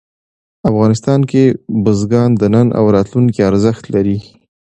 افغانستان کې بزګان د نن او راتلونکي ارزښت لري.